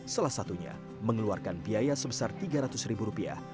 salah satunya mengeluarkan biaya sebesar rp tiga ratus ribu rupiah